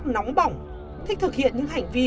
nóng bỏng thích thực hiện những hành vi